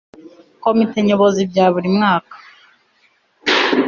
Komite Nyobozi bya buri mwaka